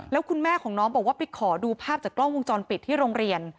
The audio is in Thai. แล้วคุณแม่ของน้องบอกว่าไปขอดูภาพจากกล้องวงจรปิดที่โรงเรียน